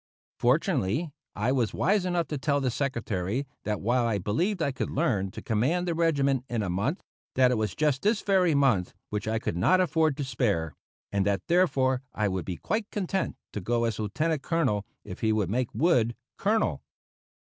Fortunately, I was wise enough to tell the Secretary that while I believed I could learn to command the regiment in a month, that it was just this very month which I could not afford to spare, and that therefore I would be quite content to go as Lieutenant Colonel, if he would make Wood Colonel.